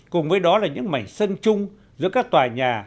cùng với đó là những mảnh sân chung giữa các tòa nhà